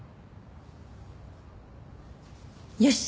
よし。